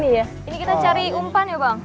eh ini ya ini kita cari umpan ya bang